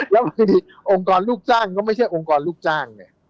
แล้วบางทีองค์กรลูกจ้างก็ไม่ใช่องค์กรลูกจ้างไง